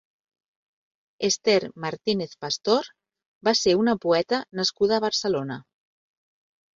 Esther Martínez-Pastor va ser una poeta nascuda a Barcelona.